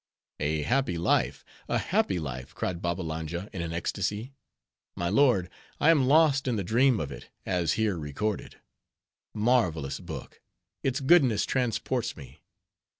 "A Happy Life! a Happy Life!" cried Babbalanja, in an ecstasy. "My lord, I am lost in the dream of it, as here recorded. Marvelous book! its goodness transports me.